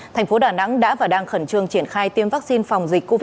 thành phố đà nẵng có sáu khu công nghiệp và một khu công nghiệp